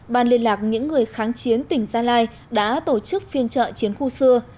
ban liên lạc những người kháng chiến tỉnh gia lai đã tổ chức phiên trợ chiến khu xưa